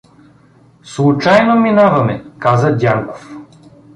— Случайно минаваме — каза Дянков.